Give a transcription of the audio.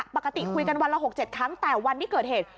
ปกติคุยกันวันละ๖๗ครั้งแต่วันที่เกิดเหตุ